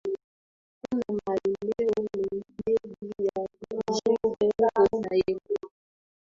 Kuna maeneo mengi ya kuzuru huku Nairobi